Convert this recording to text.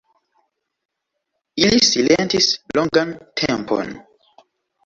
Ili silentis longan tempon.